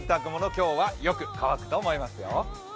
今日はよく乾くと思いますよ。